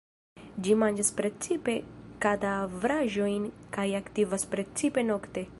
Ĝi manĝas precipe kadavraĵojn kaj aktivas precipe nokte.